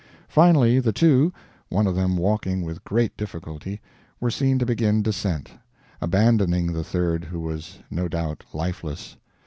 Finally the two one of them walking with great difficulty were seen to begin descent, abandoning the third, who was no doubt lifeless.